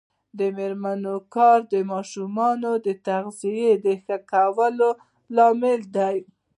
د میرمنو کار د ماشومانو تغذیه ښه کولو لامل دی.